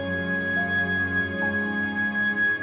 sekarang benar benar baik baik saja